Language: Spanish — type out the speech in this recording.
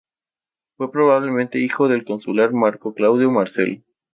Fue probablemente hijo del consular Marco Claudio Marcelo.